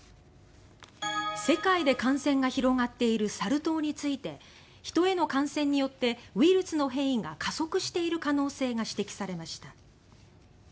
世界で感染が広がっているサル痘について人への感染によってウイルスの変異が加速している可能性が指摘されました。